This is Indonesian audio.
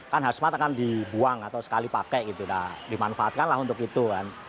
kan hasmat akan dibuang atau sekali pakai gitu dimanfaatkan lah untuk itu kan